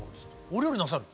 お料理なさる？